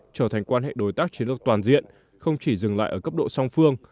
trở thành quan hệ đối tác chiến lược toàn diện không chỉ dừng lại ở cấp độ song phương